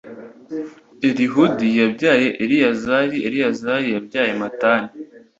Elihudi yabyaye Eleyazari Eleyazari yabyaye Matani,